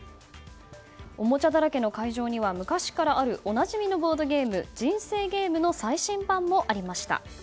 おもちゃだらけの会場には昔からあるおなじみのボードゲーム人生ゲームの最新版もありました。